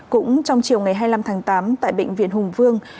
cũng trong chiều ngày hai mươi năm tháng tám tại bệnh viện hùng vương